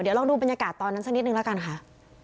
เดี๋ยวลองดูบรรยากาศตอนนั้นสักนิดนึงแล้วกันค่ะ